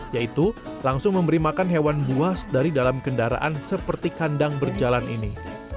yaitu langsung memberi makan hewan buas dari dalam kendaraan seperti kandang berjalan ini